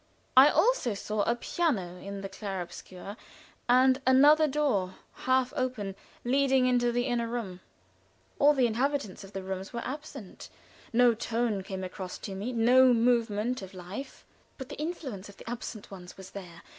I also saw a piano in the clare obscure, and another door, half open, leading into the inner room. All the inhabitants of the rooms were out. No tone came across to me no movement of life. But the influence of the absent ones was there.